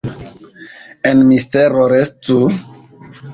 En mistero restu…